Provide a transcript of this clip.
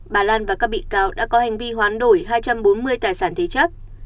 bà lan và các bị cáo đã có hành vi hoán đổi hai trăm bốn mươi tài sản thế chấp